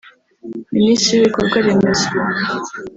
Minisitiri w’ibikorwaremezo